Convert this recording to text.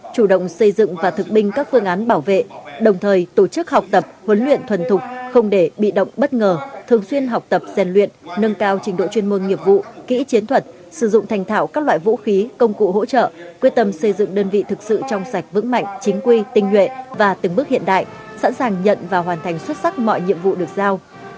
chủ động xây dựng và thực binh các phương án bảo vệ đồng thời tổ chức học tập huấn luyện thuần thục không để bị động bất ngờ thường xuyên học tập gian luyện nâng cao trình độ chuyên môn nghiệp vụ kỹ chiến thuật sử dụng thành thảo các loại vũ khí công cụ hỗ trợ quyết tâm xây dựng đơn vị thực sự trong sạch vững mạnh chính quy tinh nguyện và từng bước hiện đại sẵn sàng nhận và hoàn thành xuất sắc mọi nhiệm vụ được giao